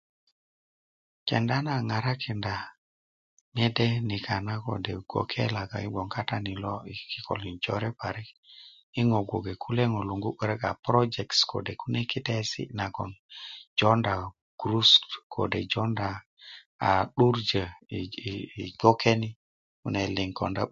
Kenda na a ŋarakinda mede nikaŋ kode bgwoke logon yi gwon kata ni lo i kikölin jore parik yi ŋo bgonge ŋule lungu 'börik projects kode kune kitaesi nagon jounda gurusu kode jounda a a'durjö ii bgwoke ni kune liŋ kon